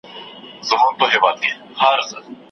او بېوزلي او بې دفاع افغانان یې په تشو لاسونو